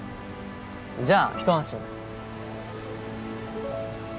じゃあひと安心だ。